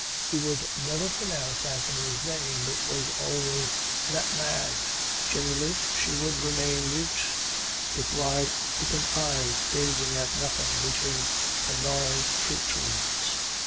He would never pronounce Anthony's name. It was always "that man." Generally she would remain mute with wide open eyes gazing at nothing between the gnarled fruit trees.